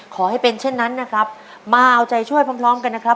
ขอให้เป็นเช่นนั้นนะครับมาเอาใจช่วยพร้อมกันนะครับ